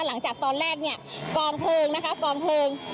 หลังจากตอนแรกเนี่ยกองเพลิงนะคะกองเพลิง